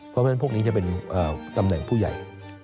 เพราะฉะนั้นพวกนี้จะเป็นตำแหน่งผู้ใหญ่